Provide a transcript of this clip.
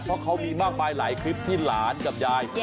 เพราะเขามีมากมายหลายคลิปที่หลานกับยาย